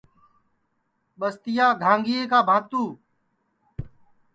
ٻستِیا گھانگِئے کا بھانتو